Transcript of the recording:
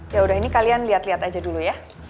yaudah ini kalian lihat lihat aja dulu ya